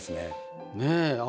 ねえ。